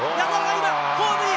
ホームイン。